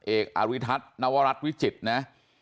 อาริทัศน์นวรัฐวิจิตรนะ